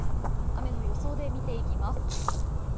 雨の予想で見ていきます。